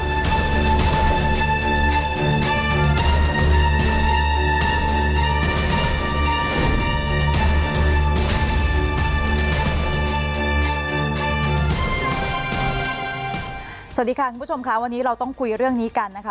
สวัสดีค่ะคุณผู้ชมค่ะวันนี้เราต้องคุยเรื่องนี้กันนะคะ